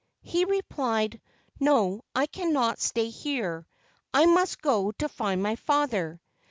He replied: "No I cannot stay here. I must go to find my father."